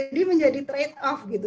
menjadi trade off gitu